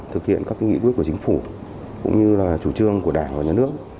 thực hiện các nghị quyết của chính phủ cũng như là chủ trương của đảng và nhà nước